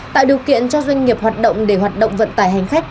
tạo điều kiện cho doanh nghiệp hoạt động để hoạt động vận tải hành khách